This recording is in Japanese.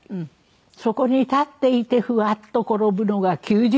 「そこに立っていてふわっと転ぶのが９０代」。